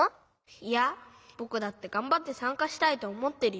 ☎いやぼくだってがんばってさんかしたいとおもってるよ。